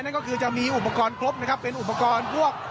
นั่นก็คือจะมีอุปกรณ์ครบนะครับเป็นอุปกรณ์พวก